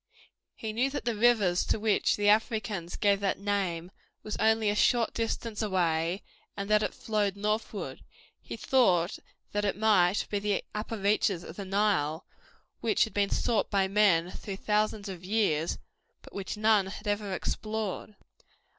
He knew that the river to which the Africans gave that name was only a short distance away and that it flowed northward. He thought that it might be the upper reaches of the Nile, which had been sought by men through thousands of years, but which none had ever explored.